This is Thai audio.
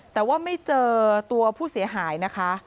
แต่ว่าไม่เจอตัวผู้เสียหายนะคะ